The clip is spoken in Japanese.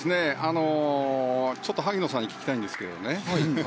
ちょっと萩野さんに聞きたいんですけどね。